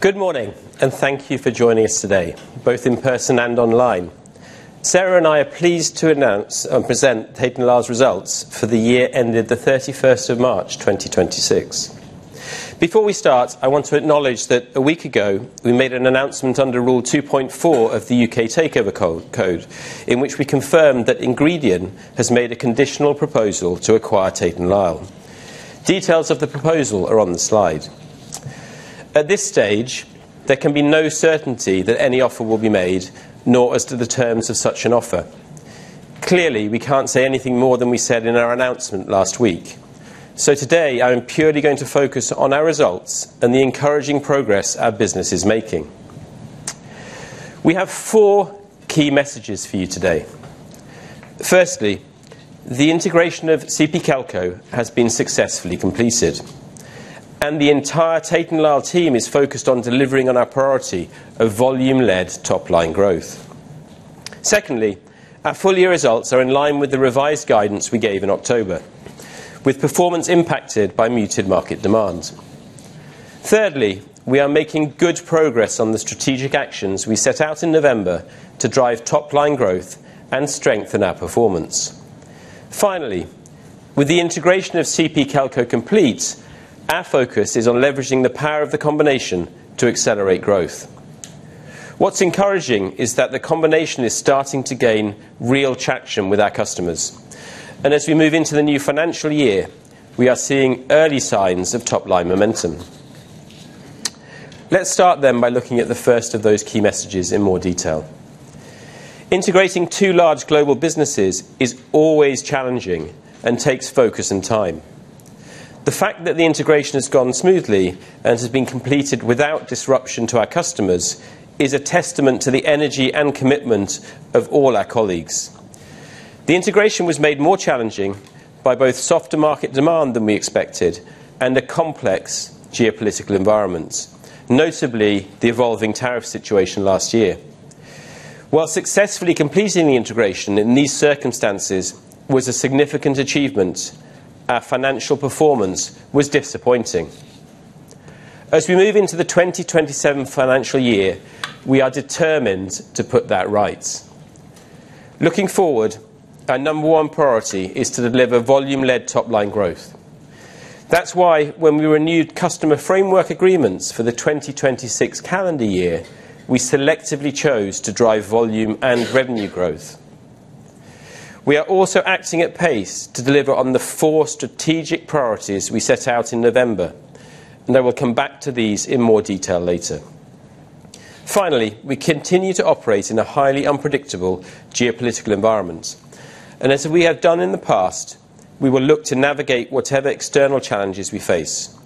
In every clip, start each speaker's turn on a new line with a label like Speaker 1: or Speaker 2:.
Speaker 1: Good morning. Thank you for joining us today, both in person and online. Sarah and I are pleased to announce and present Tate & Lyle's results for the year ended the 31st of March 2026. Before we start, I want to acknowledge that a week ago, we made an announcement under Rule 2.4 of the U.K. Takeover Code, in which we confirmed that Ingredion has made a conditional proposal to acquire Tate & Lyle. Details of the proposal are on the slide. At this stage, there can be no certainty that any offer will be made, nor as to the terms of such an offer. Clearly, we can't say anything more than we said in our announcement last week. Today, I'm purely going to focus on our results and the encouraging progress our business is making. We have four key messages for you today. Firstly, the integration of CP Kelco has been successfully completed, and the entire Tate & Lyle team is focused on delivering on our priority of volume-led top-line growth. Secondly, our full year results are in line with the revised guidance we gave in October, with performance impacted by muted market demands. Thirdly, we are making good progress on the strategic actions we set out in November to drive top-line growth and strengthen our performance. Finally, with the integration of CP Kelco complete, our focus is on leveraging the power of the combination to accelerate growth. What's encouraging is that the combination is starting to gain real traction with our customers, and as we move into the new financial year, we are seeing early signs of top-line momentum. Let's start then by looking at the first of those key messages in more detail. Integrating two large global businesses is always challenging and takes focus and time. The fact that the integration has gone smoothly and has been completed without disruption to our customers is a testament to the energy and commitment of all our colleagues. The integration was made more challenging by both softer market demand than we expected and the complex geopolitical environments, notably the evolving tariff situation last year. While successfully completing the integration in these circumstances was a significant achievement, our financial performance was disappointing. As we move into the 2027 financial year, we are determined to put that right. Looking forward, our number one priority is to deliver volume-led top-line growth. That's why when we renewed customer framework agreements for the 2026 calendar year, we selectively chose to drive volume and revenue growth. We are also acting at pace to deliver on the four strategic priorities we set out in November, and I will come back to these in more detail later. Finally, we continue to operate in a highly unpredictable geopolitical environment, and as we have done in the past, we will look to navigate whatever external challenges we face.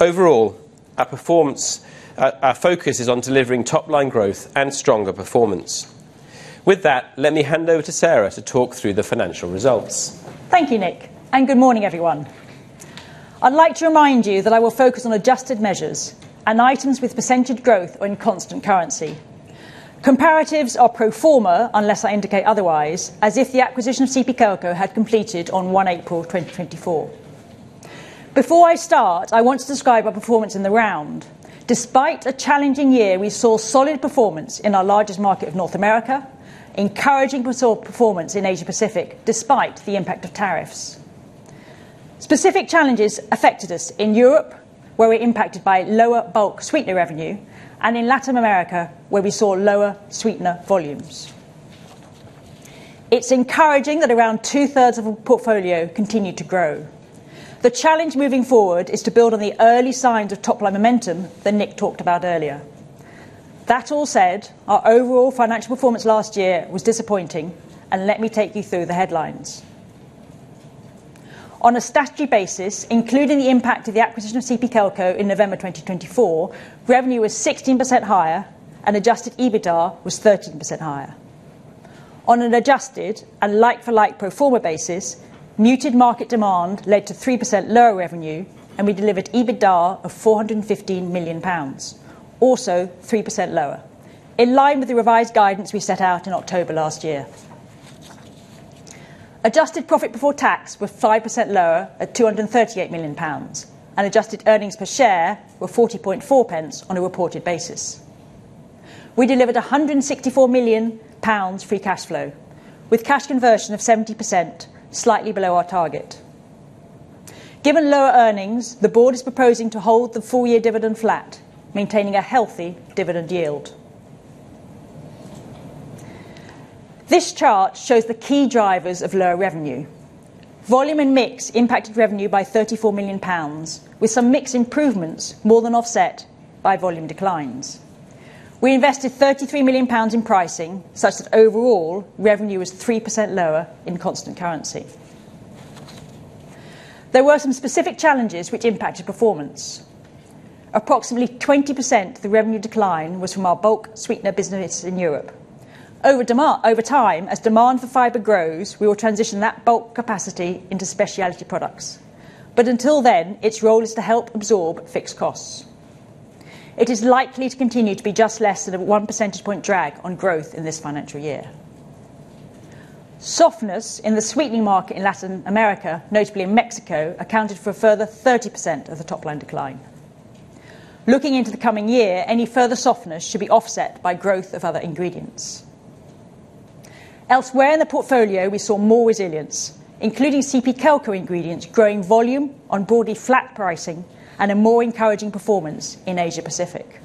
Speaker 1: Overall, our focus is on delivering top-line growth and stronger performance. With that, let me hand over to Sarah to talk through the financial results.
Speaker 2: Thank you, Nick, good morning, everyone. I'd like to remind you that I will focus on adjusted measures and items with percentage growth or in constant currency. Comparatives are pro forma unless I indicate otherwise, as if the acquisition of CP Kelco had completed on 1 April 2024. Before I start, I want to describe our performance in the round. Despite a challenging year, we saw solid performance in our largest market of North America, encouraging performance in Asia Pacific, despite the impact of tariffs. Specific challenges affected us in Europe, where we're impacted by lower bulk sweetener revenue, and in Latin America, where we saw lower sweetener volumes. It's encouraging that around two-thirds of the portfolio continued to grow. The challenge moving forward is to build on the early signs of top-line momentum that Nick talked about earlier. That all said, our overall financial performance last year was disappointing, and let me take you through the headlines. On a statutory basis, including the impact of the acquisition of CP Kelco in November 2024, revenue was 16% higher, and adjusted EBITDA was 13% higher. On an adjusted and like-for-like pro forma basis, muted market demand led to 3% lower revenue, and we delivered EBITDA of 415 million pounds, also 3% lower, in line with the revised guidance we set out in October last year. Adjusted profit before tax were 5% lower at 238 million pounds, and adjusted earnings per share were 0.404 on a reported basis. We delivered 164 million pounds free cash flow with cash conversion of 70%, slightly below our target. Given lower earnings, the board is proposing to hold the full-year dividend flat, maintaining a healthy dividend yield. This chart shows the key drivers of lower revenue. Volume and mix impacted revenue by 34 million pounds, with some mix improvements more than offset by volume declines. We invested 33 million pounds in pricing, such that overall, revenue was 3% lower in constant currency. There were some specific challenges which impacted performance. Approximately 20% of the revenue decline was from our bulk sweetener business in Europe. Over time, as demand for fiber grows, we will transition that bulk capacity into specialty products. Until then, its role is to help absorb fixed costs. It is likely to continue to be just less than a 1 percentage point drag on growth in this financial year. Softness in the sweetening market in Latin America, notably in Mexico, accounted for a further 30% of the top-line decline. Looking into the coming year, any further softness should be offset by growth of other ingredients. Elsewhere in the portfolio, we saw more resilience, including CP Kelco ingredients, growing volume on broadly flat pricing and a more encouraging performance in Asia Pacific.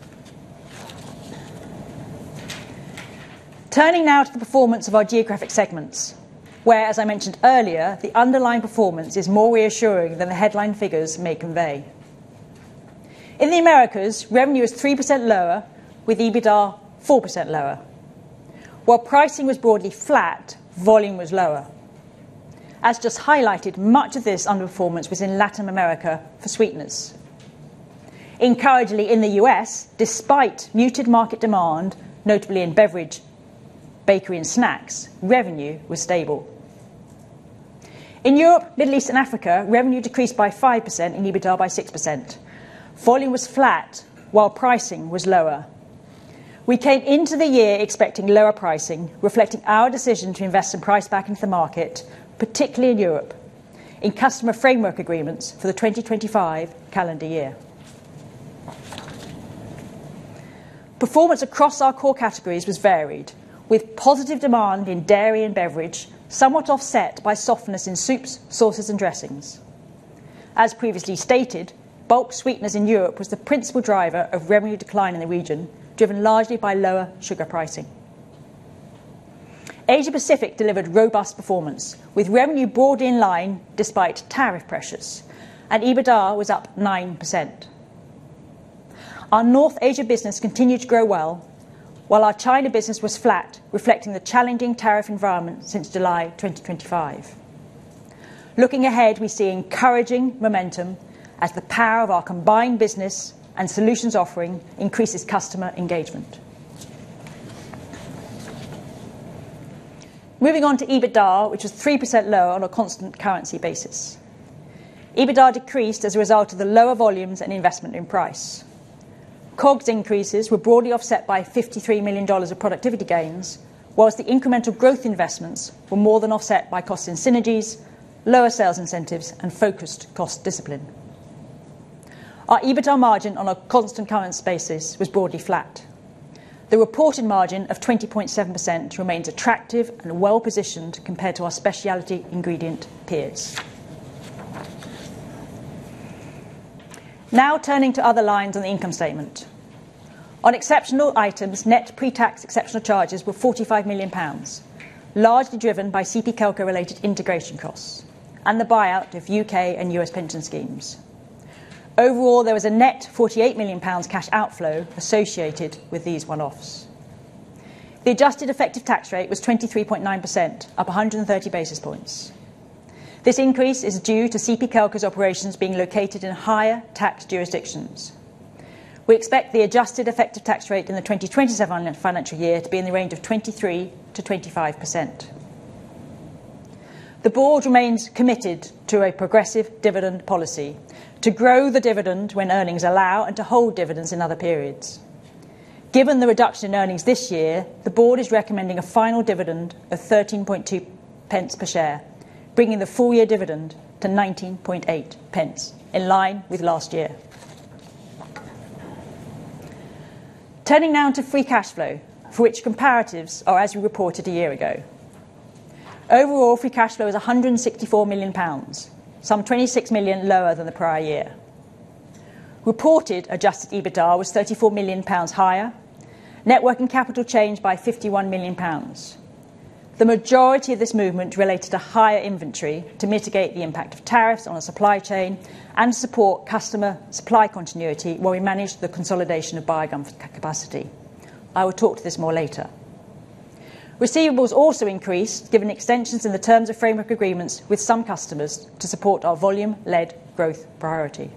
Speaker 2: Turning now to the performance of our geographic segments, where, as I mentioned earlier, the underlying performance is more reassuring than the headline figures may convey. In the Americas, revenue is 3% lower, with EBITDA 4% lower. While pricing was broadly flat, volume was lower. As just highlighted, much of this underperformance was in Latin America for sweeteners. Encouragingly, in the U.S., despite muted market demand, notably in beverage, bakery and snacks, revenue was stable. In Europe, Middle East and Africa, revenue decreased by 5% and EBITDA by 6%. Volume was flat while pricing was lower. We came into the year expecting lower pricing, reflecting our decision to invest in price back into the market, particularly in Europe, in customer framework agreements for the 2025 calendar year. Performance across our core categories was varied, with positive demand in dairy and beverage somewhat offset by softness in soups, sauces and dressings. As previously stated, bulk sweeteners in Europe was the principal driver of revenue decline in the region, driven largely by lower sugar pricing. Asia Pacific delivered robust performance, with revenue broadly in line despite tariff pressures, and EBITDA was up 9%. Our North Asia business continued to grow well, while our China business was flat, reflecting the challenging tariff environment since July 2025. Looking ahead, we see encouraging momentum as the power of our combined business and solutions offering increases customer engagement. Moving on to EBITDA, which was 3% lower on a constant currency basis. EBITDA decreased as a result of the lower volumes and investment in price. COGS increases were broadly offset by GBP 53 million of productivity gains, while the incremental growth investments were more than offset by cost synergies, lower sales incentives, and focused cost discipline. Our EBITDA margin on a constant currency basis was broadly flat. The reported margin of 20.7% remains attractive and well-positioned compared to our specialty ingredient peers. Now turning to other lines on the income statement. On exceptional items, net pre-tax exceptional charges were 45 million pounds, largely driven by CP Kelco related integration costs and the buyout of U.K. and U.S. pension schemes. Overall, there was a net 48 million pounds cash outflow associated with these one-offs. The adjusted effective tax rate was 23.9%, up 130 basis points. This increase is due to CP Kelco's operations being located in higher tax jurisdictions. We expect the adjusted effective tax rate in the 2027 financial year to be in the range of 23%-25%. The Board remains committed to a progressive dividend policy to grow the dividend when earnings allow and to hold dividends in other periods. Given the reduction in earnings this year, the Board is recommending a final dividend of 0.132 per share, bringing the full-year dividend to 0.198, in line with last year. Turning now to free cash flow, for which comparatives are as we reported a year ago. Overall, free cash flow is 164 million pounds, some 26 million lower than the prior year. Reported adjusted EBITDA was 34 million pounds higher. Net working capital changed by 51 million pounds. The majority of this movement related to higher inventory to mitigate the impact of tariffs on our supply chain and support customer supply continuity while we manage the consolidation of bio-gum capacity. I will talk to this more later. Receivables also increased, given extensions in the terms of framework agreements with some customers to support our volume-led growth priority.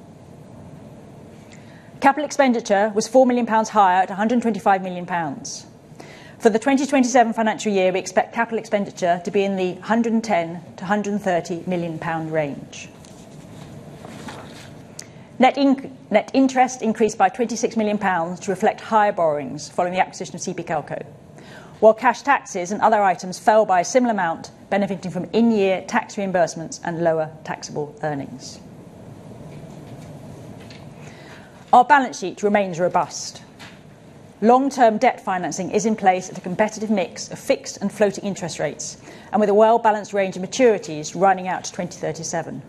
Speaker 2: Capital expenditure was 4 million pounds higher at 125 million pounds. For the 2027 financial year, we expect capital expenditure to be in the 110 million-130 million pound range. Net interest increased by 26 million pounds to reflect higher borrowings following the acquisition of CP Kelco, while cash taxes and other items fell by a similar amount, benefiting from in-year tax reimbursements and lower taxable earnings. Our balance sheet remains robust. Long-term debt financing is in place at a competitive mix of fixed and floating interest rates and with a well-balanced range of maturities running out to 2037.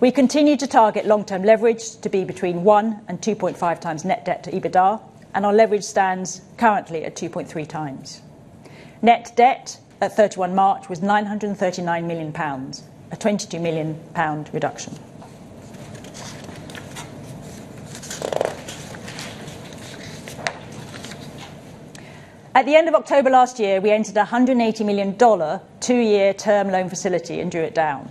Speaker 2: We continue to target long-term leverage to be between 1x and 2.5x net debt to EBITDA, and our leverage stands currently at 2.3x. Net debt at 31 March was 939 million pounds, a 22 million pound reduction. At the end of October last year, we entered a GBP 180 million, two-year term loan facility and drew it down.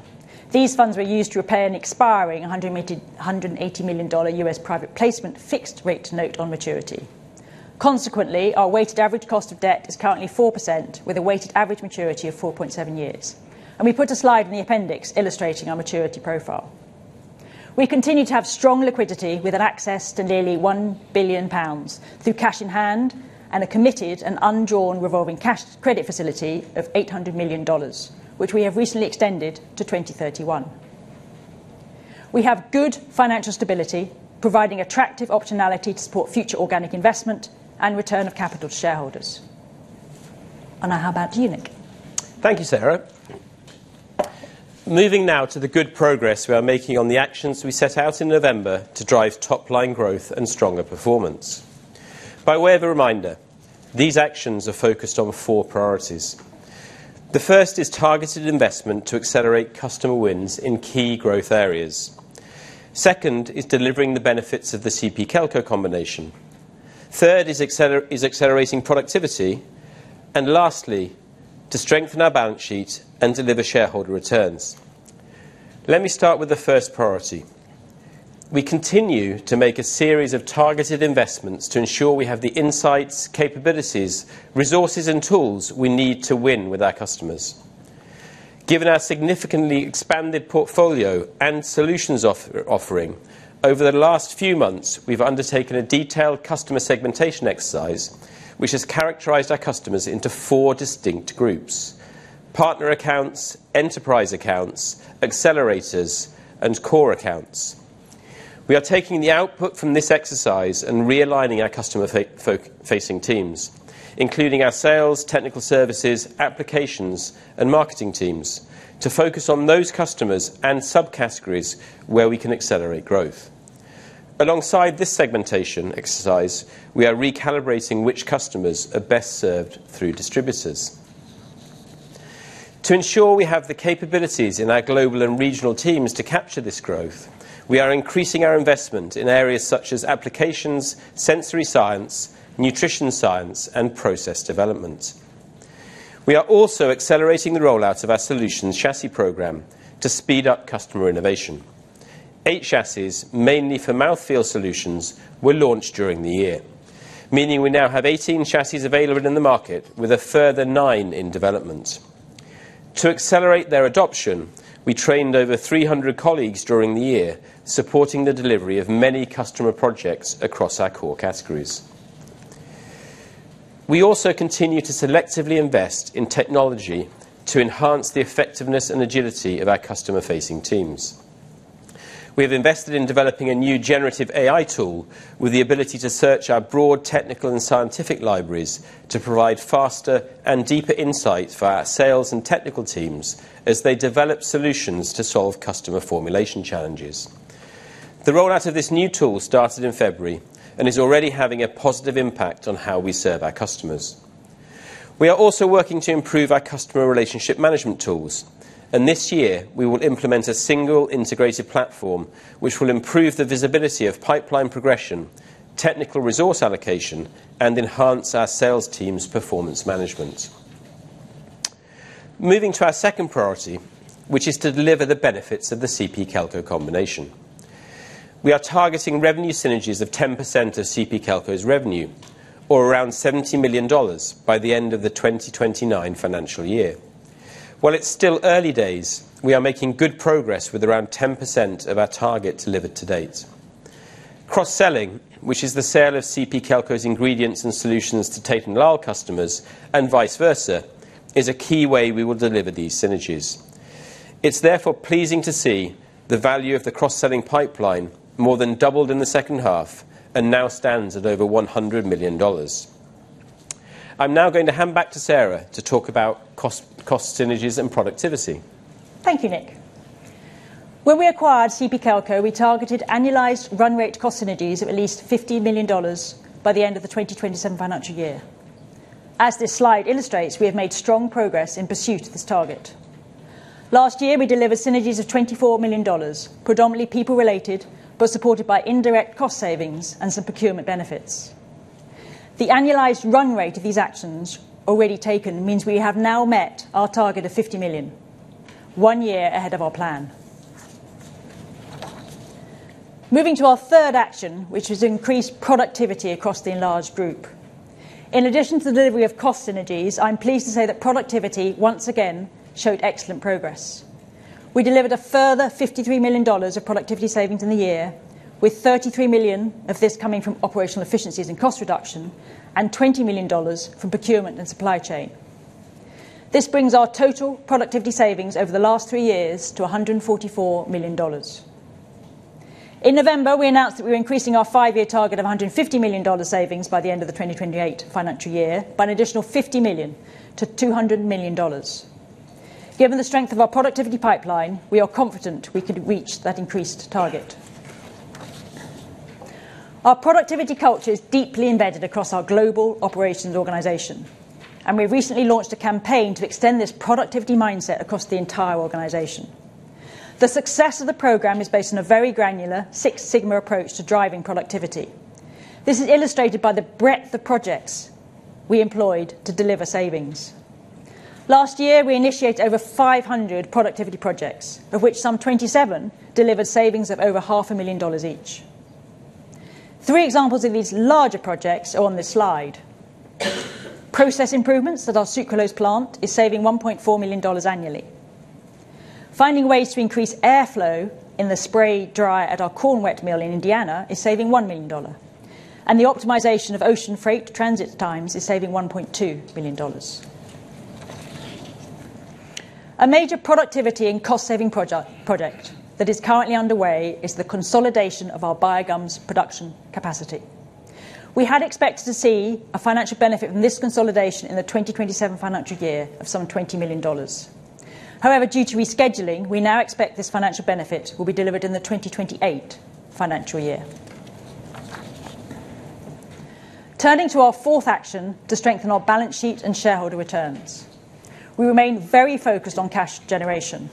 Speaker 2: These funds were used to repay an expiring GBP 180 million U.S. private placement fixed rate note on maturity. Consequently, our weighted average cost of debt is currently 4%, with a weighted average maturity of 4.7 years. We put a slide in the appendix illustrating our maturity profile. We continue to have strong liquidity with an access to nearly 1 billion pounds through cash in hand and a committed and undrawn revolving cash credit facility of GBP 800 million, which we have recently extended to 2031. We have good financial stability, providing attractive optionality to support future organic investment and return of capital to shareholders. Now, how about you, Nick?
Speaker 1: Thank you, Sarah. Moving now to the good progress we are making on the actions we set out in November to drive top-line growth and stronger performance. By way of a reminder, these actions are focused on four priorities. The first is targeted investment to accelerate customer wins in key growth areas. Second is delivering the benefits of the CP Kelco combination. Third is accelerating productivity, and lastly, to strengthen our balance sheet and deliver shareholder returns. Let me start with the first priority. We continue to make a series of targeted investments to ensure we have the insights, capabilities, resources, and tools we need to win with our customers. Given our significantly expanded portfolio and solutions offering, over the last few months, we've undertaken a detailed customer segmentation exercise, which has characterized our customers into four distinct groups: partner accounts, enterprise accounts, accelerators, and core accounts. We are taking the output from this exercise and realigning our customer-facing teams, including our sales, technical services, applications, and marketing teams, to focus on those customers and subcategories where we can accelerate growth. Alongside this segmentation exercise, we are recalibrating which customers are best served through distributors. To ensure we have the capabilities in our global and regional teams to capture this growth, we are increasing our investment in areas such as applications, sensory science, nutrition science, and process development. We are also accelerating the rollout of our Solutions Chassis Program to speed up customer innovation. Eight chassis, mainly for mouthfeel solutions, were launched during the year, meaning we now have 18 chassis available in the market with a further 9 in development. To accelerate their adoption, we trained over 300 colleagues during the year, supporting the delivery of many customer projects across our core categories. We also continue to selectively invest in technology to enhance the effectiveness and agility of our customer-facing teams. We have invested in developing a new generative AI tool with the ability to search our broad technical and scientific libraries to provide faster and deeper insights for our sales and technical teams as they develop solutions to solve customer formulation challenges. The rollout of this new tool started in February and is already having a positive impact on how we serve our customers. We are also working to improve our customer relationship management tools, and this year we will implement a single integrated platform, which will improve the visibility of pipeline progression, technical resource allocation, and enhance our sales team's performance management. Moving to our second priority, which is to deliver the benefits of the CP Kelco combination. We are targeting revenue synergies of 10% of CP Kelco's revenue, or around $70 million by the end of the 2029 financial year. While it's still early days, we are making good progress with around 10% of our target delivered to date. Cross-selling, which is the sale of CP Kelco's ingredients and solutions to Tate & Lyle customers and vice versa, is a key way we will deliver these synergies. It's therefore pleasing to see the value of the cross-selling pipeline more than doubled in the second half and now stands at over $100 million. I'm now going to hand back to Sarah to talk about cost synergies and productivity.
Speaker 2: Thank you, Nick. When we acquired CP Kelco, we targeted annualized run rate cost synergies of at least GBP 50 million by the end of the 2027 financial year. As this slide illustrates, we have made strong progress in pursuit of this target. Last year, we delivered synergies of GBP 24 million, predominantly people related, but supported by indirect cost savings and some procurement benefits. The annualized run rate of these actions already taken means we have now met our target of 50 million, one year ahead of our plan. Moving to our third action, which is increased productivity across the enlarged group. In addition to the delivery of cost synergies, I'm pleased to say that productivity, once again, showed excellent progress. We delivered a further GBP 53 million of productivity savings in the year with 33 million of this coming from operational efficiencies and cost reduction and GBP 20 million from procurement and supply chain. This brings our total productivity savings over the last three years to GBP 144 million. In November, we announced that we were increasing our five-year target of GBP 150 million savings by the end of the 2028 financial year by an additional 50 million to GBP 200 million. Given the strength of our productivity pipeline, we are confident we could reach that increased target. Our productivity culture is deeply embedded across our global operations organization, and we recently launched a campaign to extend this productivity mindset across the entire organization. The success of the program is based on a very granular Six Sigma approach to driving productivity. This is illustrated by the breadth of projects we employed to deliver savings. Last year, we initiated over 500 productivity projects, of which some 27 delivered savings of over half a million pounds each. Three examples of these larger projects are on this slide. Process improvements at our sucralose plant is saving GBP 1.4 million annually. Finding ways to increase airflow in the spray dryer at our corn wet mill in Indiana is saving GBP 1 million. The optimization of ocean freight transit times is saving GBP 1.2 million. A major productivity and cost-saving project that is currently underway is the consolidation of our bio-gums production capacity. We had expected to see a financial benefit from this consolidation in the 2027 financial year of some GBP 20 million. However, due to rescheduling, we now expect this financial benefit will be delivered in the 2028 financial year. Turning to our fourth action to strengthen our balance sheet and shareholder returns. We remain very focused on cash generation.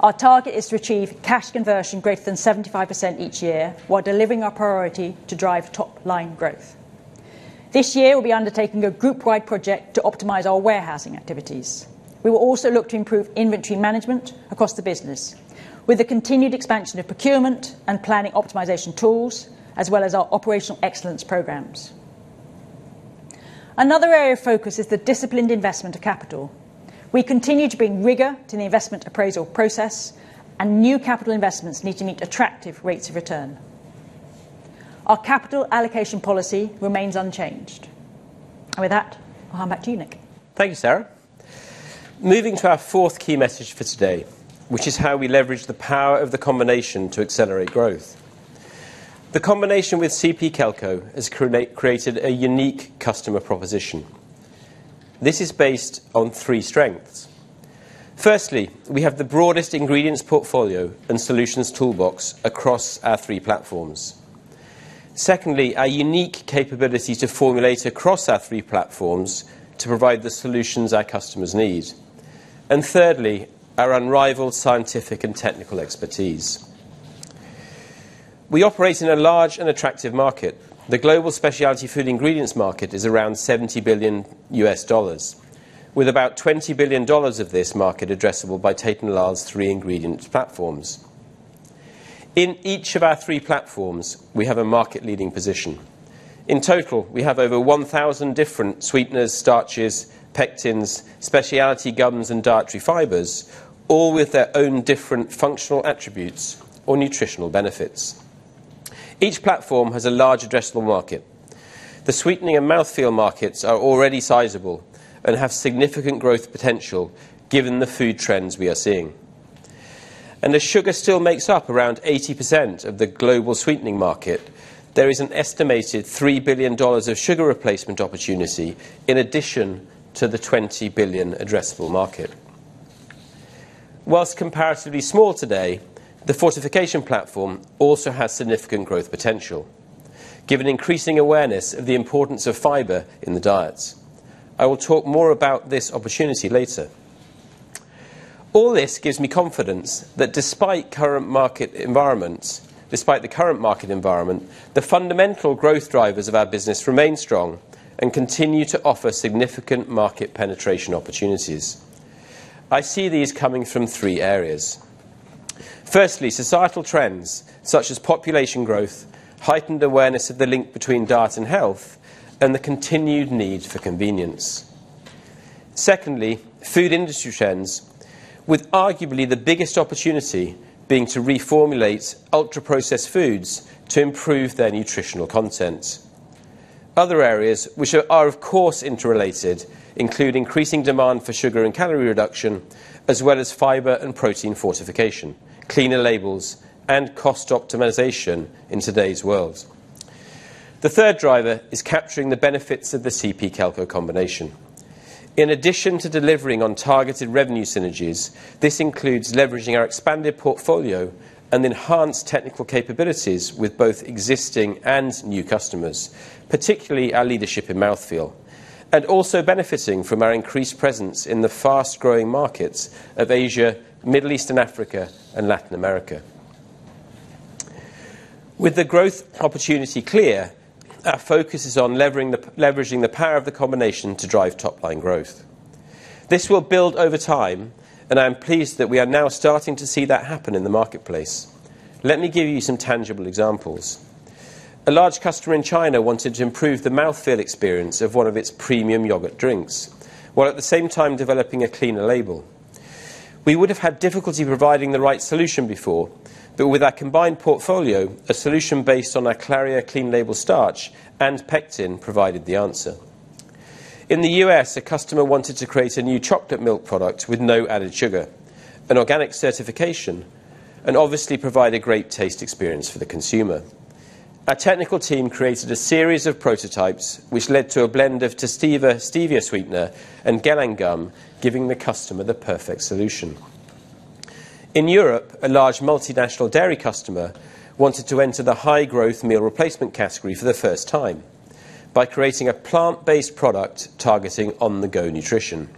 Speaker 2: Our target is to achieve cash conversion greater than 75% each year while delivering our priority to drive top-line growth. This year, we'll be undertaking a group-wide project to optimize our warehousing activities. We will also look to improve inventory management across the business with the continued expansion of procurement and planning optimization tools, as well as our operational excellence programs. Another area of focus is the disciplined investment of capital. We continue to bring rigor to the investment appraisal process, and new capital investments need to meet attractive rates of return. Our capital allocation policy remains unchanged. With that, I'll hand back to you, Nick.
Speaker 1: Thank you, Sarah. Moving to our fourth key message for today, which is how we leverage the power of the combination to accelerate growth. The combination with CP Kelco has created a unique customer proposition. This is based on three strengths. Firstly, we have the broadest ingredients portfolio and solutions toolbox across our three platforms. Secondly, our unique capability to formulate across our three platforms to provide the solutions our customers need. Thirdly, our unrivaled scientific and technical expertise. We operate in a large and attractive market. The global specialty food ingredients market is around $70 billion, with about $20 billion of this market addressable by Tate & Lyle's three ingredient platforms. In each of our three platforms, we have a market-leading position. In total, we have over 1,000 different sweeteners, starches, pectins, speciality gums, and dietary fibers, all with their own different functional attributes or nutritional benefits. Each platform has a large addressable market. The sweetening and mouthfeel markets are already sizable and have significant growth potential given the food trends we are seeing. As sugar still makes up around 80% of the global sweetening market, there is an estimated GBP 3 billion of sugar replacement opportunity in addition to the 20 billion addressable market. While comparatively small today, the fortification platform also has significant growth potential, given increasing awareness of the importance of fiber in the diets. I will talk more about this opportunity later. All this gives me confidence that despite the current market environment, the fundamental growth drivers of our business remain strong and continue to offer significant market penetration opportunities. I see these coming from three areas. Firstly, societal trends such as population growth, heightened awareness of the link between diet and health, and the continued need for convenience. Secondly, food industry trends, with arguably the biggest opportunity being to reformulate ultra-processed foods to improve their nutritional content. Other areas which are of course interrelated, include increasing demand for sugar and calorie reduction, as well as fiber and protein fortification, cleaner labels, and cost optimization in today's world. The third driver is capturing the benefits of the CP Kelco combination. In addition to delivering on targeted revenue synergies, this includes leveraging our expanded portfolio and enhanced technical capabilities with both existing and new customers, particularly our leadership in mouthfeel, and also benefiting from our increased presence in the fast-growing markets of Asia, Middle East and Africa, and Latin America. With the growth opportunity clear, our focus is on leveraging the power of the combination to drive top-line growth. This will build over time, and I am pleased that we are now starting to see that happen in the marketplace. Let me give you some tangible examples. A large customer in China wanted to improve the mouthfeel experience of one of its premium yogurt drinks, while at the same time developing a cleaner label. We would have had difficulty providing the right solution before, but with our combined portfolio, a solution based on our CLARIA clean label starch and pectin provided the answer. In the U.S., a customer wanted to create a new chocolate milk product with no added sugar, an organic certification, and obviously provide a great taste experience for the consumer. Our technical team created a series of prototypes, which led to a blend of stevia gellan gum, giving the customer the perfect solution. In Europe, a large multinational dairy customer wanted to enter the high-growth meal replacement category for the first time by creating a plant-based product targeting on-the-go nutrition.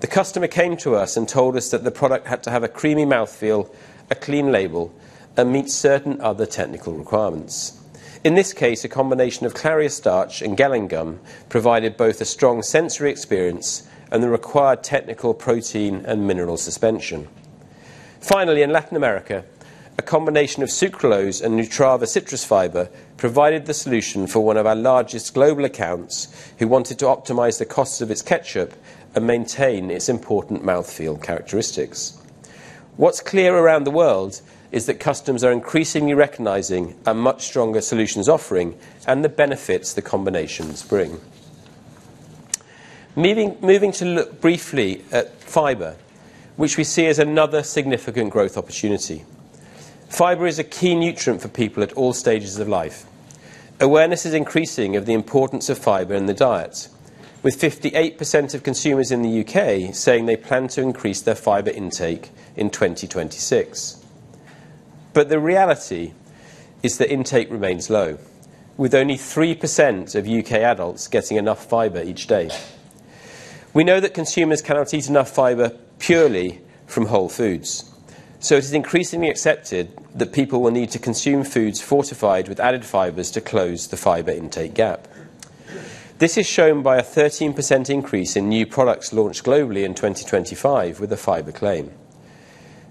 Speaker 1: The customer came to us and told us that the product had to have a creamy mouthfeel, a clean label, and meet certain other technical requirements. In this case, a combination of CLARIA gellan gum provided both a strong sensory experience and the required technical protein and mineral suspension. Finally, in Latin America, a combination of sucralose and NUTRAVA citrus fiber provided the solution for 1 of our largest global accounts who wanted to optimize the costs of its ketchup and maintain its important mouthfeel characteristics. What's clear around the world is that customers are increasingly recognizing a much stronger solutions offering and the benefits the combinations bring. Moving to look briefly at fiber, which we see as another significant growth opportunity. Fiber is a key nutrient for people at all stages of life. Awareness is increasing of the importance of fiber in the diet, with 58% of consumers in the U.K. saying they plan to increase their fiber intake in 2026. The reality is that intake remains low, with only 3% of U.K. adults getting enough fiber each day. We know that consumers cannot eat enough fiber purely from whole foods, so it is increasingly accepted that people will need to consume foods fortified with added fibers to close the fiber intake gap. This is shown by a 13% increase in new products launched globally in 2025 with a fiber claim.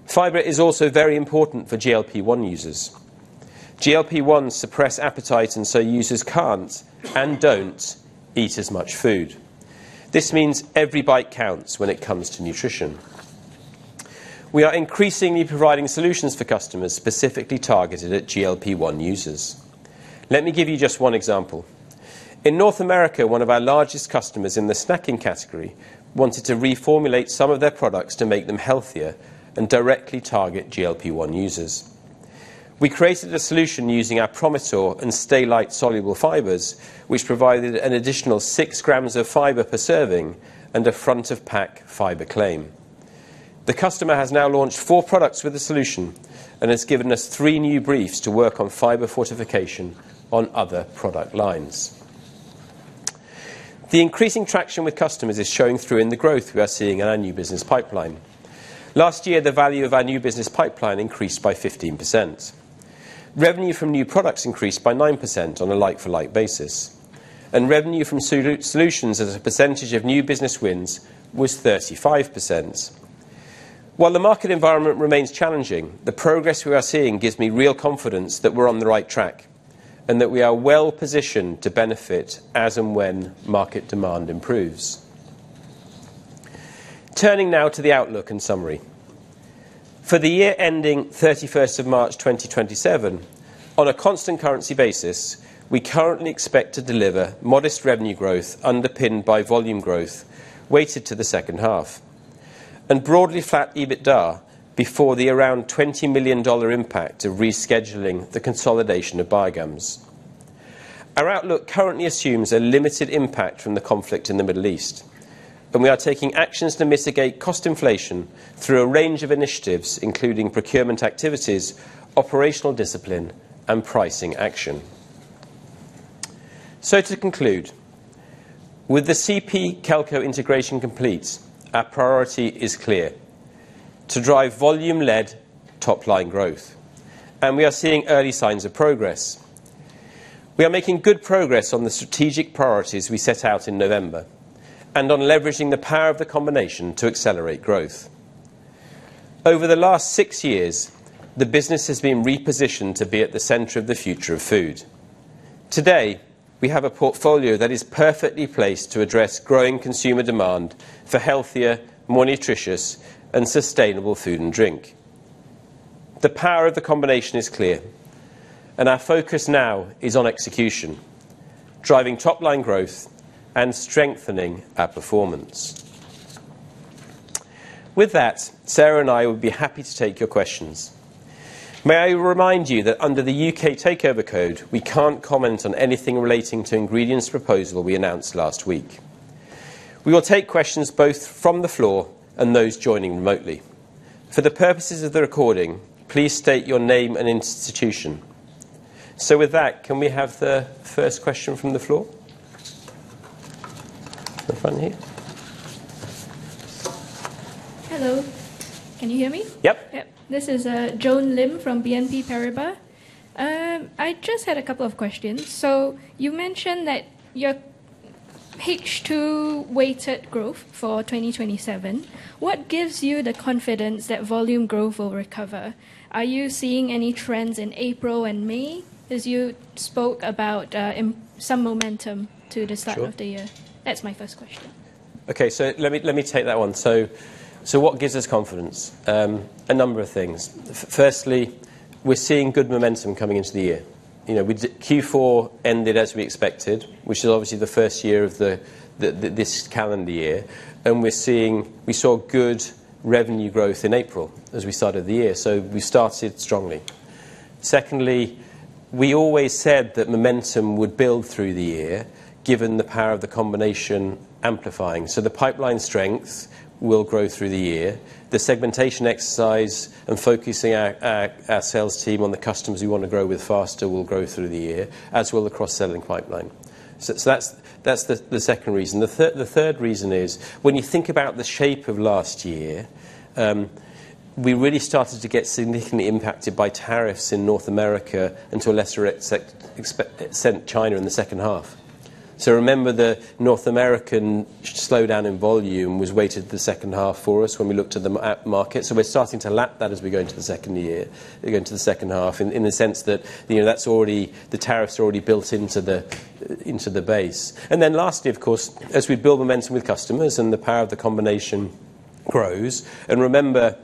Speaker 1: Fiber is also very important for GLP-1 users. GLP-1s suppress appetite, and so users can't and don't eat as much food. This means every bite counts when it comes to nutrition. We are increasingly providing solutions for customers specifically targeted at GLP-1 users. Let me give you just one example. In North America, one of our largest customers in the snacking category wanted to reformulate some of their products to make them healthier and directly target GLP-1 users. We created a solution using our PROMITOR and STA-LITE soluble fibers, which provided an additional 6 grams of fiber per serving and a front-of-pack fiber claim. The customer has now launched four products with the solution and has given us three new briefs to work on fiber fortification on other product lines. The increasing traction with customers is showing through in the growth we are seeing in our new business pipeline. Last year, the value of our new business pipeline increased by 15%. Revenue from new products increased by 9% on a like-for-like basis, and revenue from solutions as a percentage of new business wins was 35%. While the market environment remains challenging, the progress we are seeing gives me real confidence that we're on the right track and that we are well positioned to benefit as and when market demand improves. Turning now to the outlook and summary. For the year ending 31st of March 2027, on a constant currency basis, we currently expect to deliver modest revenue growth underpinned by volume growth weighted to the second half, and broadly flat EBITDA before the around $20 million impact of rescheduling the consolidation of bio-gums. Our outlook currently assumes a limited impact from the conflict in the Middle East, and we are taking actions to mitigate cost inflation through a range of initiatives, including procurement activities, operational discipline, and pricing action. To conclude, with the CP Kelco integration complete, our priority is clear: to drive volume-led top-line growth, and we are seeing early signs of progress. We are making good progress on the strategic priorities we set out in November and on leveraging the power of the combination to accelerate growth. Over the last six years, the business has been repositioned to be at the center of the future of food. Today, we have a portfolio that is perfectly placed to address growing consumer demand for healthier, more nutritious, and sustainable food and drink. The power of the combination is clear, and our focus now is on execution, driving top-line growth, and strengthening our performance. With that, Sarah and I would be happy to take your questions. May I remind you that under the U.K. Takeover Code, we can't comment on anything relating to Ingredion's proposal we announced last week. We will take questions both from the floor and those joining remotely. For the purposes of the recording, please state your name and institution. With that, can we have the first question from the floor? At the front here.
Speaker 3: Hello. Can you hear me?
Speaker 1: Yep.
Speaker 3: Yep. This is Joan Lim from BNP Paribas. I just had a couple of questions. You mentioned that your H2 weighted growth for 2027, what gives you the confidence that volume growth will recover? Are you seeing any trends in April and May, as you spoke about some momentum?
Speaker 1: Sure
Speaker 3: start of the year? That's my first question.
Speaker 1: Okay. Let me take that one. What gives us confidence? A number of things. Firstly, we're seeing good momentum coming into the year. Q4 ended as we expected, which is obviously the 1st year of this calendar year, and we saw good revenue growth in April as we started the year. We started strongly. Secondly, we always said that momentum would build through the year, given the power of the combination amplifying. The pipeline strength will grow through the year. The segmentation exercise and focusing our sales team on the customers we want to grow with faster will grow through the year, as will the cross-selling pipeline. That's the second reason. The third reason is when you think about the shape of last year, we really started to get significantly impacted by tariffs in North America and to a lesser extent, China in the second half. Remember, the North American slowdown in volume was weighted the second half for us when we looked at the market. We're starting to lap that as we go into the second year, go into the second half, in the sense that the tariffs are already built into the base. Lastly, of course, as we build momentum with customers and the power of the combination grows, and remember,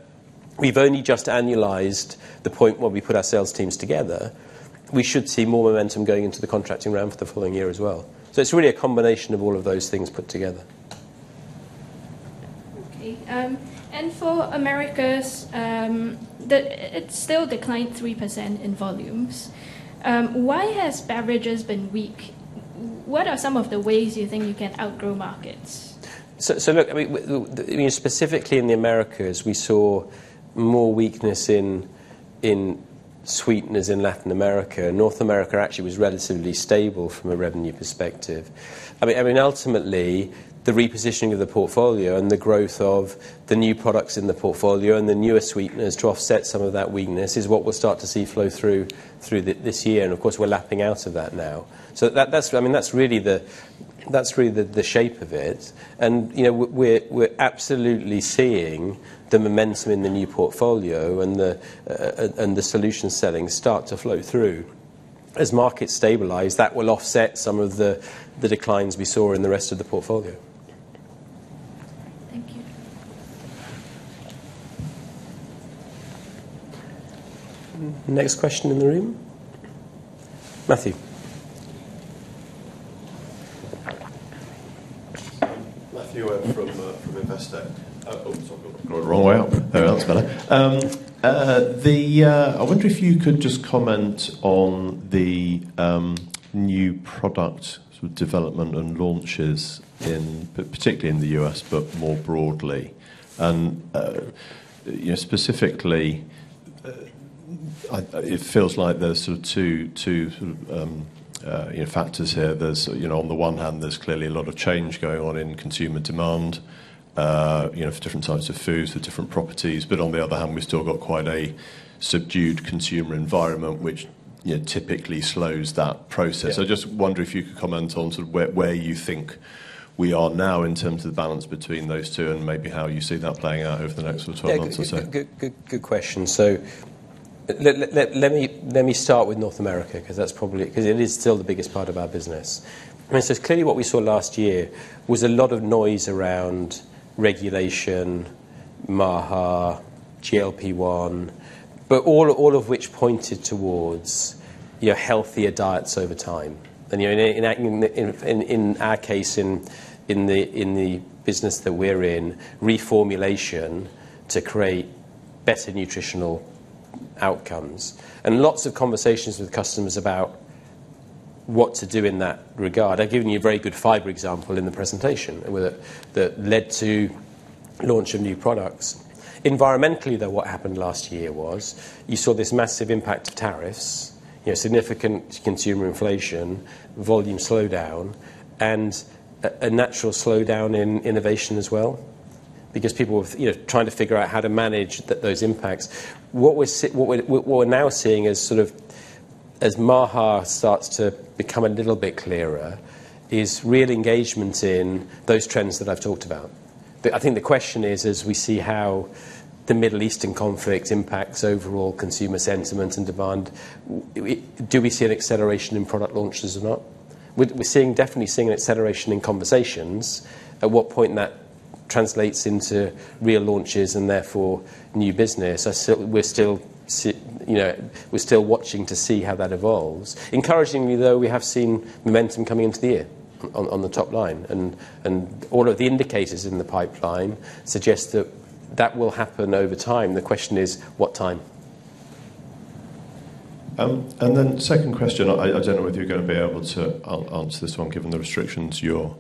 Speaker 1: we've only just annualized the point where we put our sales teams together. We should see more momentum going into the contracting round for the following year as well. It's really a combination of all of those things put together.
Speaker 3: Okay. For Americas, it still declined 3% in volumes. Why has beverages been weak? What are some of the ways you think you can outgrow markets?
Speaker 1: Look, specifically in the Americas, we saw more weakness in sweeteners in Latin America. North America actually was relatively stable from a revenue perspective. Ultimately, the repositioning of the portfolio and the growth of the new products in the portfolio and the newer sweeteners to offset some of that weakness is what we will start to see flow through this year. Of course, we are lapping out of that now. That is really the shape of it. We are absolutely seeing the momentum in the new portfolio and the solution selling start to flow through. As markets stabilize, that will offset some of the declines we saw in the rest of the portfolio.
Speaker 3: Thank you.
Speaker 1: Next question in the room. Matthew?
Speaker 4: Matthew from Investec. Oh, sorry. Going the wrong way up. There, that's better. I wonder if you could just comment on the new product development and launches, particularly in the U.S., but more broadly. Specifically, it feels like there's two factors here. On the one hand, there's clearly a lot of change going on in consumer demand, for different types of foods with different properties. On the other hand, we've still got quite a subdued consumer environment, which typically slows that process.
Speaker 1: Yeah.
Speaker 4: I just wonder if you could comment on where you think we are now in terms of the balance between those two and maybe how you see that playing out over the next 12 months or so.
Speaker 1: Yeah. Good question. Let me start with North America, because it is still the biggest part of our business. Clearly what we saw last year was a lot of noise around regulation, MAHA, GLP-1, but all of which pointed towards healthier diets over time. In our case, in the business that we're in, reformulation to create better nutritional outcomes. Lots of conversations with customers about what to do in that regard. I've given you a very good fiber example in the presentation that led to launch of new products. Environmentally, though, what happened last year was you saw this massive impact of tariffs, significant consumer inflation, volume slowdown, and a natural slowdown in innovation as well, because people were trying to figure out how to manage those impacts. What we're now seeing as MAHA starts to become a little bit clearer, is real engagement in those trends that I've talked about. I think the question is, as we see how the Middle Eastern conflict impacts overall consumer sentiment and demand, do we see an acceleration in product launches or not? We're definitely seeing an acceleration in conversations. At what point that translates into real launches and therefore new business, we're still watching to see how that evolves. Encouragingly, though, we have seen momentum coming into the year on the top line, and all of the indicators in the pipeline suggest that that will happen over time. The question is, what time?
Speaker 4: Second question, I don't know whether you're going to be able to answer this one given the restrictions you're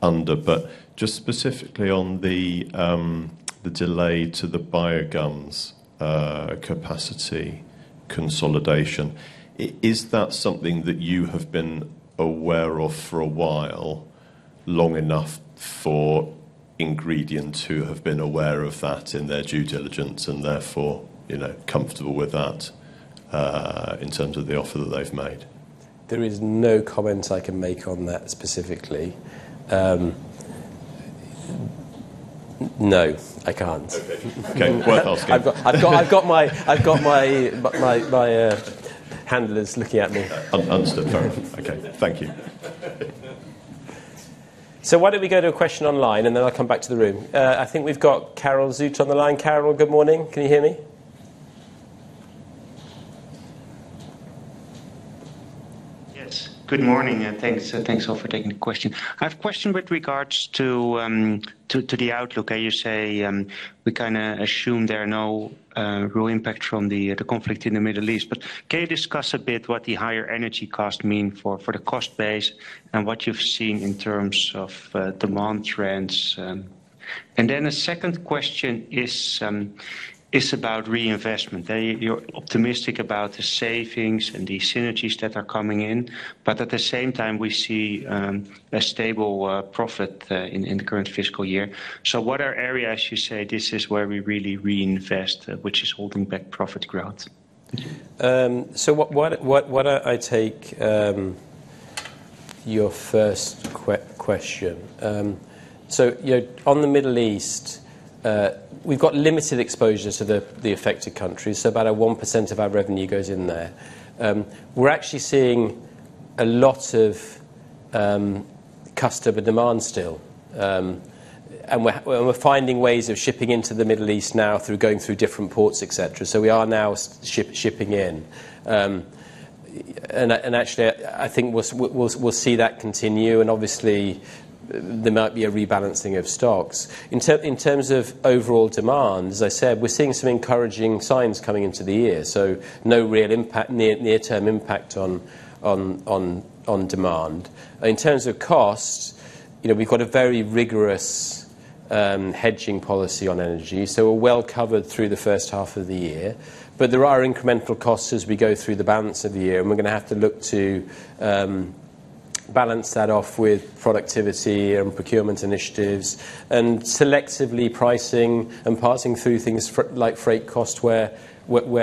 Speaker 4: under, but just specifically on the delay to the bio-gums capacity consolidation. Is that something that you have been aware of for a while, long enough for Ingredion to have been aware of that in their due diligence and therefore comfortable with that in terms of the offer that they've made?
Speaker 1: There is no comment I can make on that specifically. No, I can't.
Speaker 4: Okay. Worth asking.
Speaker 1: I've got my handlers looking at me.
Speaker 4: Understood. Fair enough. Okay. Thank you.
Speaker 1: Why don't we go to a question online, I'll come back to the room. I think we've got Karel Zoete on the line. Karel, good morning. Can you hear me?
Speaker 5: Yes. Good morning, thanks all for taking the question. I have a question with regards to the outlook. You say, we kind of assume there are no real impact from the conflict in the Middle East, but can you discuss a bit what the higher energy cost mean for the cost base and what you've seen in terms of demand trends? The second question is about reinvestment. You're optimistic about the savings and the synergies that are coming in, but at the same time, we see a stable profit in the current fiscal year. What are areas you say this is where we really reinvest, which is holding back profit growth?
Speaker 1: Your first question. On the Middle East, we've got limited exposure to the affected countries. About 1% of our revenue goes in there. We're actually seeing a lot of customer demand still. We're finding ways of shipping into the Middle East now through going through different ports, et cetera. We are now shipping in. Actually, I think we'll see that continue and obviously there might be a rebalancing of stocks. In terms of overall demand, as I said, we're seeing some encouraging signs coming into the year, so no real near-term impact on demand. In terms of cost, we've got a very rigorous hedging policy on energy, so we're well-covered through the first half of the year. There are incremental costs as we go through the balance of the year, and we're going to have to look to balance that off with productivity and procurement initiatives, and selectively pricing and passing through things for like freight cost where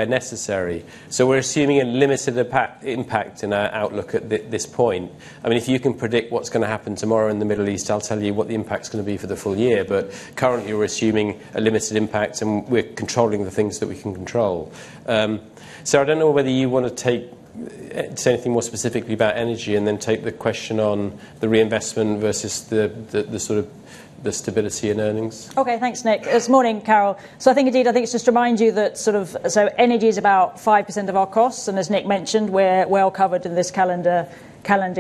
Speaker 1: necessary. We're assuming a limited impact in our outlook at this point. If you can predict what's going to happen tomorrow in the Middle East, I'll tell you what the impact's going to be for the full year. Currently, we're assuming a limited impact, and we're controlling the things that we can control. I don't know whether you want to say anything more specifically about energy and then take the question on the reinvestment versus the stability and earnings.
Speaker 2: Okay. Thanks, Nick. It's morning, Karel. I think indeed, it's just to remind you that energy is about 5% of our costs, and as Nick mentioned, we're well covered in this calendar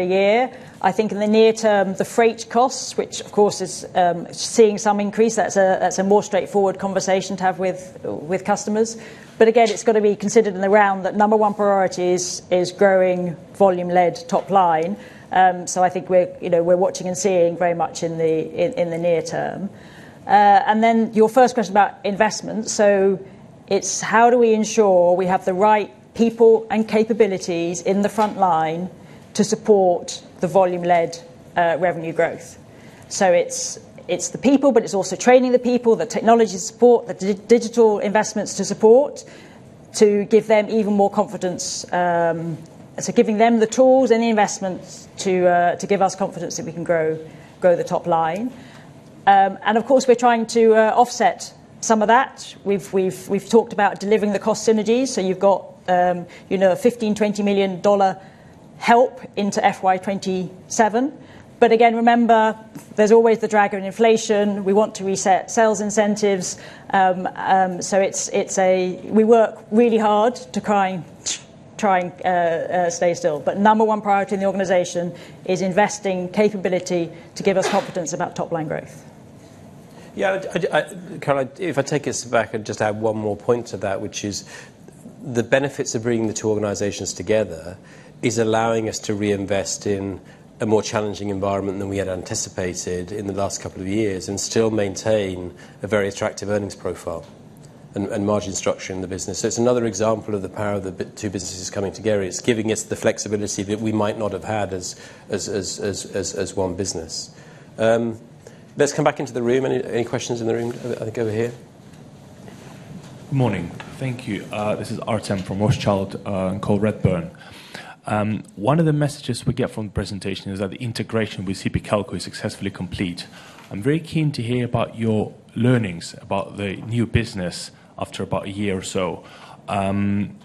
Speaker 2: year. I think in the near term, the freight costs, which of course is seeing some increase, that's a more straightforward conversation to have with customers. Again, it's got to be considered in the round that number one priority is growing volume-led top line. I think we're watching and seeing very much in the near term. Your first question about investment. It's how do we ensure we have the right people and capabilities in the front line to support the volume-led revenue growth? It's the people, but it's also training the people, the technology support, the digital investments to give them even more confidence. Giving them the tools and the investments to give us confidence that we can grow the top line. Of course, we're trying to offset some of that. We've talked about delivering the cost synergies. You've got a GBP 15 million-GBP 20 million help into FY 2027. Again, remember, there's always the drag of inflation. We want to reset sales incentives. We work really hard to try and stay still. Number one priority in the organization is investing capability to give us confidence about top-line growth.
Speaker 1: Karel, if I take us back and just add one more point to that, which is the benefits of bringing the two organizations together is allowing us to reinvest in a more challenging environment than we had anticipated in the last couple of years and still maintain a very attractive earnings profile and margin structure in the business. It's another example of the power of the two businesses coming together. It's giving us the flexibility that we might not have had as one business. Let's come back into the room. Any questions in the room? I think over here.
Speaker 6: Morning. Thank you. This is Artem from Rothschild & Co Redburn. One of the messages we get from the presentation is that the integration with CP Kelco is successfully complete. I'm very keen to hear about your learnings about the new business after about a year or so.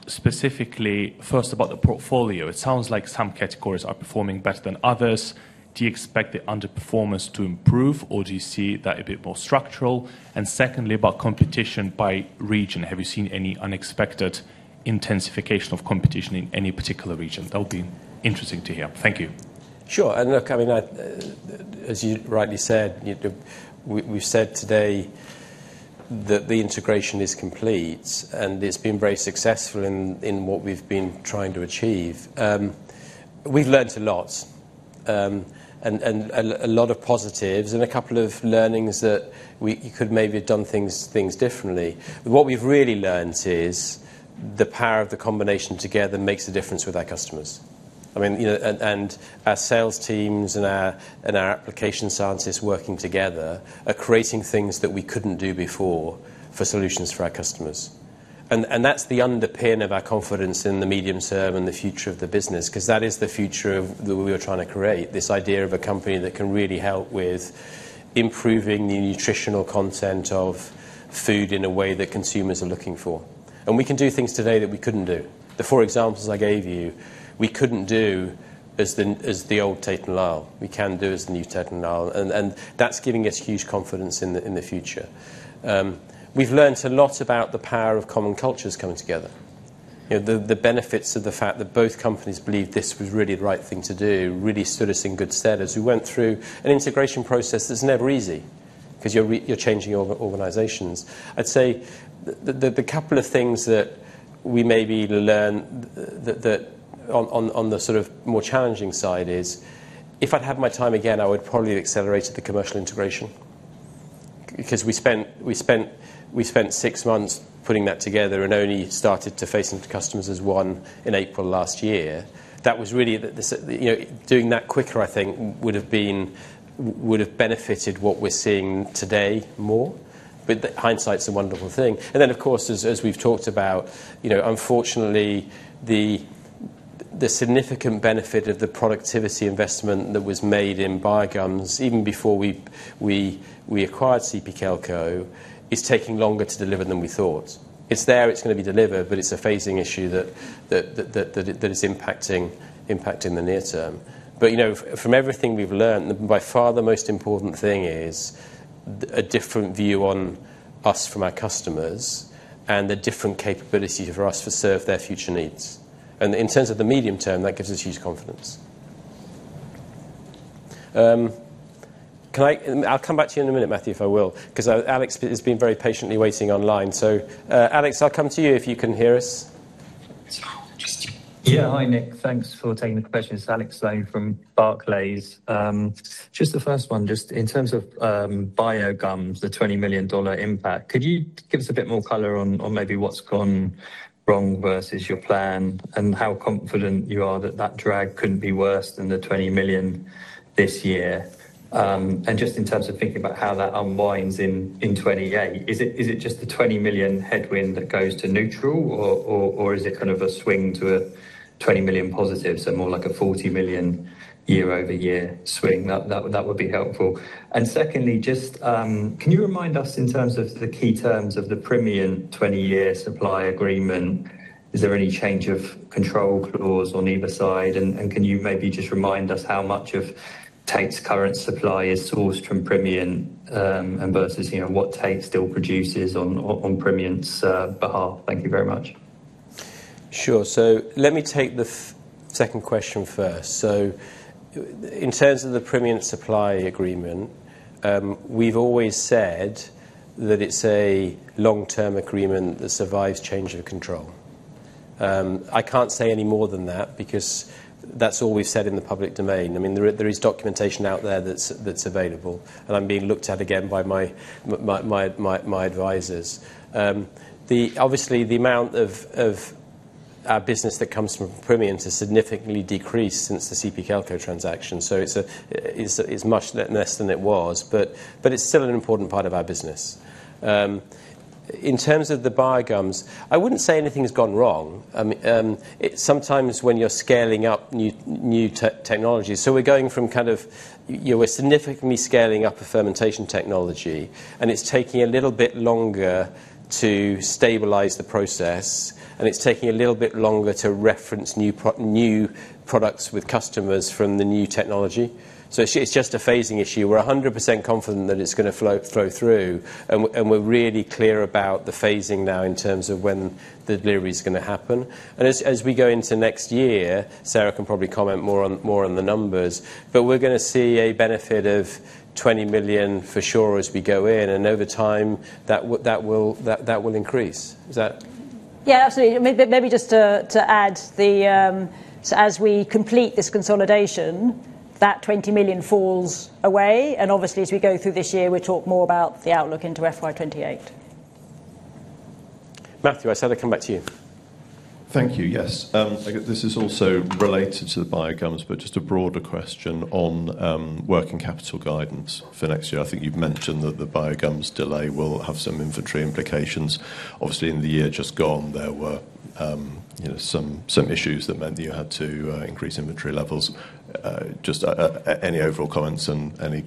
Speaker 6: Specifically, first about the portfolio. It sounds like some categories are performing better than others. Do you expect the underperformance to improve, or do you see that a bit more structural? Secondly, about competition by region, have you seen any unexpected intensification of competition in any particular region? That would be interesting to hear. Thank you.
Speaker 1: Sure. Look, as you rightly said, we've said today that the integration is complete, and it's been very successful in what we've been trying to achieve. We've learned a lot, a lot of positives, and a couple of learnings that we could maybe have done things differently. What we've really learned is the power of the combination together makes a difference with our customers. Our sales teams and our application scientists working together are creating things that we couldn't do before for solutions for our customers. That's the underpin of our confidence in the medium term and the future of the business because that is the future that we are trying to create, this idea of a company that can really help with improving the nutritional content of food in a way that consumers are looking for. We can do things today that we couldn't do. The four examples I gave you, we couldn't do as the old Tate & Lyle. We can do as the new Tate & Lyle. That's giving us huge confidence in the future. We've learned a lot about the power of common cultures coming together. The benefits of the fact that both companies believed this was really the right thing to do really stood us in good stead as we went through an integration process that's never easy because you're changing organizations. I'd say the couple of things that we maybe learn on the more challenging side is, if I'd had my time again, I would probably have accelerated the commercial integration. We spent six months putting that together and only started to face into customers as one in April last year. Doing that quicker, I think, would have benefited what we're seeing today more. Hindsight's a wonderful thing. Of course, as we've talked about, unfortunately the significant benefit of the productivity investment that was made in bio-gums, even before we acquired CP Kelco, is taking longer to deliver than we thought. It's there, it's going to be delivered, but it's a phasing issue that is impacting the near term. From everything we've learned, by far the most important thing is, a different view on us from our customers and the different capabilities for us to serve their future needs. In terms of the medium term, that gives us huge confidence. I'll come back to you in a minute, Matthew, if I will, because Alex has been very patiently waiting online. Alex, I'll come to you if you can hear us.
Speaker 7: Yeah. Hi, Nick. Thanks for taking the question. It's Alex Sloane from Barclays. Just the first one, just in terms of bio-gums, the GBP 20 million impact, could you give us a bit more color on maybe what's gone wrong versus your plan and how confident you are that that drag couldn't be worse than the 20 million this year? Just in terms of thinking about how that unwinds in 2028, is it just the 20 million headwind that goes to neutral or is it kind of a swing to a 20 million positive, so more like a 40 million year-over-year swing? That would be helpful. Secondly, can you remind us in terms of the key terms of the Primient 20-year supply agreement, is there any change of control clause on either side? Can you maybe just remind us how much of Tate's current supply is sourced from Primient, and versus what Tate still produces on Primient's behalf? Thank you very much.
Speaker 1: Sure. Let me take the second question first. In terms of the Primient supply agreement, we've always said that it's a long-term agreement that survives change of control. I can't say any more than that because that's all we've said in the public domain. There is documentation out there that's available, and I'm being looked at again by my advisors. Obviously, the amount of our business that comes from Primient has significantly decreased since the CP Kelco transaction. It's much less than it was, but it's still an important part of our business. In terms of the bio-gums, I wouldn't say anything has gone wrong. Sometimes when you're scaling up new technologies, we're significantly scaling up the fermentation technology, and it's taking a little bit longer to stabilize the process, and it's taking a little bit longer to reference new products with customers from the new technology. It's just a phasing issue. We're 100% confident that it's going to flow through, and we're really clear about the phasing now in terms of when the delivery is going to happen. As we go into next year, Sarah can probably comment more on the numbers, but we're going to see a benefit of 20 million for sure as we go in, and over time that will increase. Is that?
Speaker 2: Yeah, absolutely. Maybe just to add, so as we complete this consolidation, that 20 million falls away. Obviously, as we go through this year, we'll talk more about the outlook into FY 2028.
Speaker 1: Matthew, I said I'd come back to you.
Speaker 4: Thank you. Yes. This is also related to the bio-gums, but just a broader question on working capital guidance for next year. I think you've mentioned that the bio-gums delay will have some inventory implications. Obviously, in the year just gone, there were some issues that meant that you had to increase inventory levels. Just any overall comments and any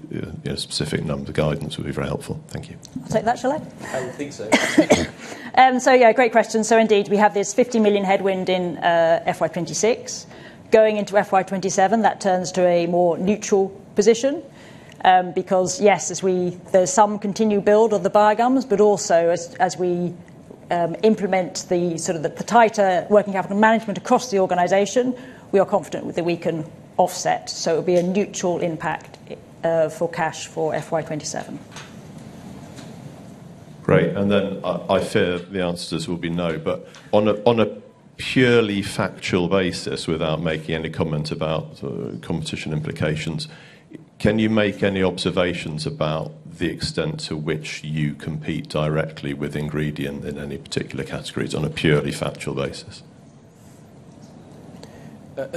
Speaker 4: specific numbers of guidance would be very helpful. Thank you.
Speaker 2: I'll take that, shall I?
Speaker 1: I would think so.
Speaker 2: Yeah, great question. Indeed, we have this 50 million headwind in FY 2026. Going into FY 2027, that turns to a more neutral position, because yes, there's some continued build of the bio-gums, but also as we implement the tighter working capital management across the organization, we are confident that we can offset. It'll be a neutral impact for cash for FY 2027.
Speaker 4: Great. I fear the answer to this will be no, but on a purely factual basis without making any comment about competition implications, can you make any observations about the extent to which you compete directly with Ingredion in any particular categories on a purely factual basis?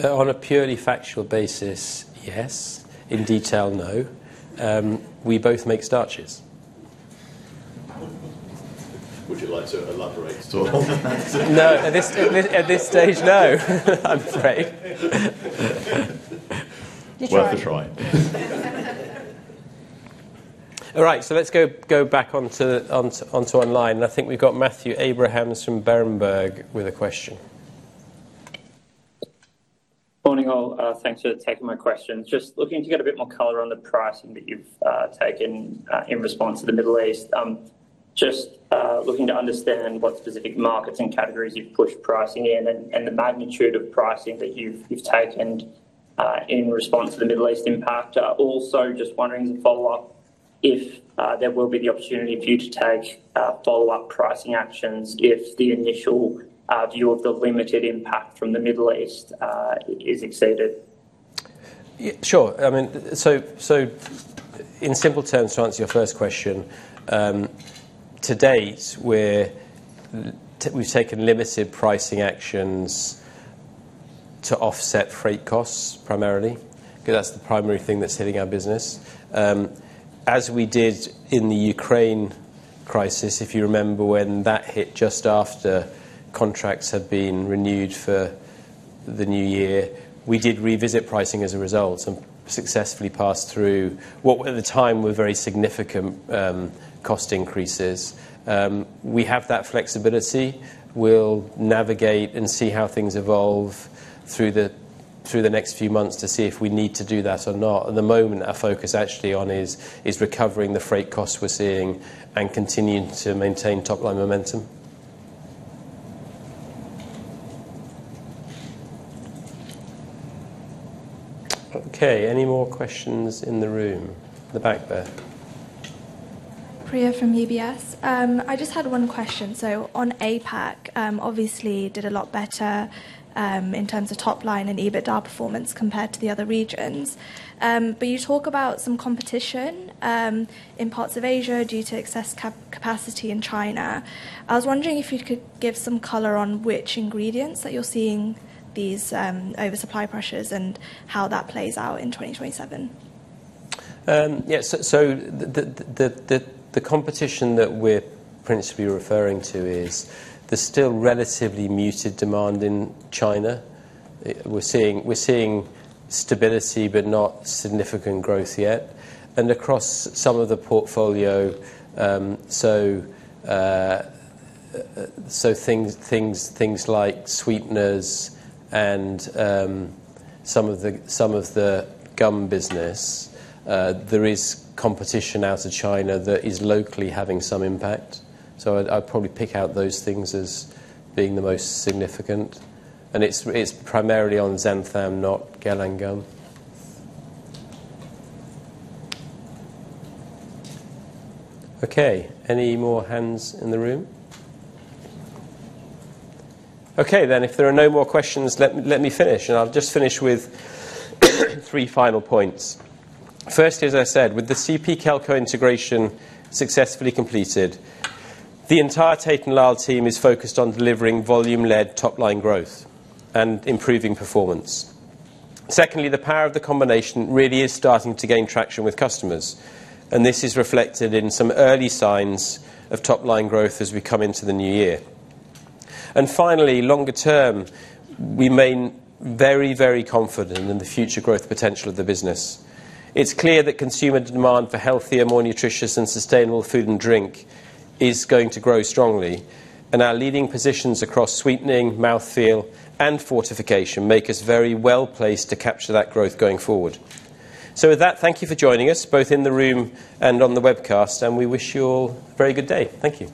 Speaker 1: On a purely factual basis, yes. In detail, no. We both make starches.
Speaker 4: Would you like to elaborate at all on that?
Speaker 1: No. At this stage, no, I'm afraid.
Speaker 2: You tried.
Speaker 4: Worth a try.
Speaker 1: All right, let's go back onto online. I think we've got Matthew Abraham from Berenberg with a question.
Speaker 8: Morning all. Thanks for taking my question. Just looking to get a bit more color on the pricing that you've taken in response to the Middle East. Just looking to understand what specific markets and categories you've pushed pricing in, and the magnitude of pricing that you've taken in response to the Middle East impact. Just wondering to follow up if there will be the opportunity for you to take follow-up pricing actions if the initial view of the limited impact from the Middle East is exceeded.
Speaker 1: Sure. In simple terms, to answer your first question, to date, we've taken limited pricing actions to offset freight costs primarily, because that's the primary thing that's hitting our business. As we did in the Ukraine crisis, if you remember when that hit just after contracts had been renewed for the new year, we did revisit pricing as a result, and successfully passed through what, at the time, were very significant cost increases. We have that flexibility. We'll navigate and see how things evolve through the next few months to see if we need to do that or not. At the moment, our focus actually on is recovering the freight costs we're seeing and continuing to maintain top-line momentum. Any more questions in the room? At the back there.
Speaker 9: Priya from UBS. I just had one question. On APAC, obviously did a lot better in terms of top line and EBITDA performance compared to the other regions. You talk about some competition, in parts of Asia due to excess capacity in China. I was wondering if you could give some color on which ingredients that you're seeing these oversupply pressures and how that plays out in 2027.
Speaker 1: The competition that we're principally referring to is the still relatively muted demand in China. We're seeing stability but not significant growth yet. Across some of the portfolio, things like sweeteners and some of the gum business, there is competition out of China that is locally having some impact. I'd probably pick out those things as being the most significant, and it's primarily on xanthan not gellan gum. any more hands in the room? If there are no more questions, let me finish. I'll just finish with three final points. Firstly, as I said, with the CP Kelco integration successfully completed, the entire Tate & Lyle team is focused on delivering volume-led top-line growth and improving performance. The power of the combination really is starting to gain traction with customers. This is reflected in some early signs of top-line growth as we come into the new year. Finally, longer term, we remain very confident in the future growth potential of the business. It's clear that consumer demand for healthier, more nutritious, and sustainable food and drink is going to grow strongly. Our leading positions across sweetening, mouthfeel, and fortification make us very well-placed to capture that growth going forward. With that, thank you for joining us, both in the room and on the webcast. We wish you all a very good day. Thank you.